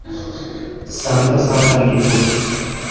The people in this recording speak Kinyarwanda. Santa Santa ni ukuri?